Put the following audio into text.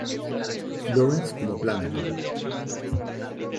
Lawrence como Plankton.